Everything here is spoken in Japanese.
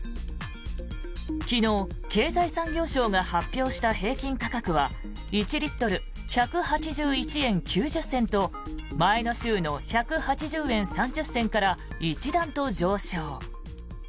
昨日、経済産業省が発表した平均価格は１リットル１８１円９０銭と前の週の１８０円３０銭から一段と上昇。